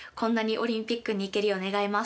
オリンピックに行けるよう願います。